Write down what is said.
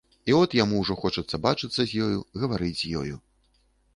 І от яму ўжо хочацца бачыцца з ёю, гаварыць з ёю.